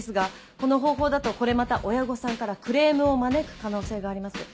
この方法だとこれまた親御さんからクレームを招く可能性があります。